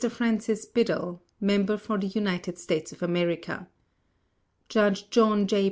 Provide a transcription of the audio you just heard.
FRANCIS BIDDLE, Member for the United States of America JUDGE JOHN J.